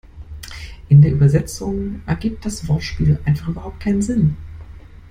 In der Übersetzung ergibt das Wortspiel einfach überhaupt keinen Sinn.